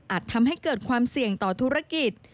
ทำให้เกิดความเสี่ยงต่อธุรกิจ